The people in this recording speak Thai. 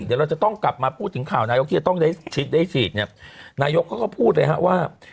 เดี๋ยวเราจะต้องกลับมาพูดถึงข่าวนายกที่จะต้องได้ชิดนายกก็พูดเลยว่า